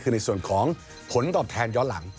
คือในส่วนของผลตอบแทนย้อนหลัง